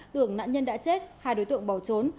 tưởng nạn nhân đã chết hai đối tượng bỏ trốn